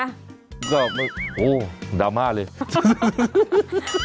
โหดราม่าเลย